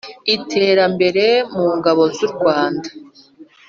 Iterambere mu Ngabo z u Rwanda